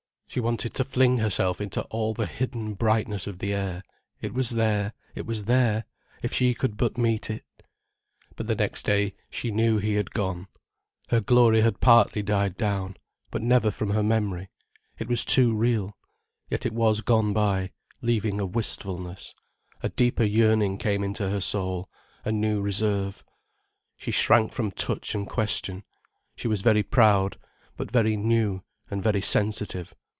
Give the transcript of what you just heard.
She wanted to fling herself into all the hidden brightness of the air. It was there, it was there, if she could but meet it. But the next day she knew he had gone. Her glory had partly died down—but never from her memory. It was too real. Yet it was gone by, leaving a wistfulness. A deeper yearning came into her soul, a new reserve. She shrank from touch and question. She was very proud, but very new, and very sensitive.